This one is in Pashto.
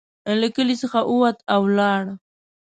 له کلي څخه ووت او ولاړ.